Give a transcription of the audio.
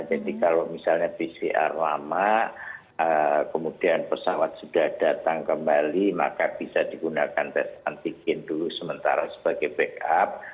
jadi kalau misalnya pcr lama kemudian pesawat sudah datang kembali maka bisa digunakan tes antigen dulu sementara sebagai backup